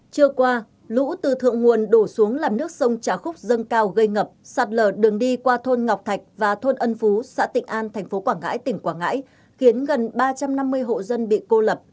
trưa qua lũ từ thượng nguồn đổ xuống làm nước sông trà khúc dâng cao gây ngập sạt lở đường đi qua thôn ngọc thạch và thôn ân phú xã tịnh an thành phố quảng ngãi tỉnh quảng ngãi khiến gần ba trăm năm mươi hộ dân bị cô lập